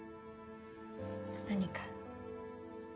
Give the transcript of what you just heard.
何か？